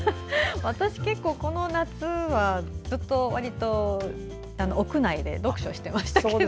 私、結構この夏はずっと屋内で読書してましたけど。